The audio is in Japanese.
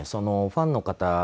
ファンの方